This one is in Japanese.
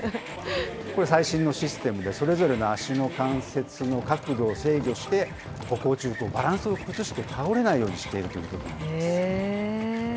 これ、最新のシステムで、それぞれの足の関節の角度を制御して、歩行中、バランスを崩して倒れないようにしているということなんです。